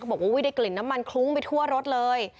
บอกว่าได้กลิ่นน้ำมันคลุ้งไปทั่วรถเลย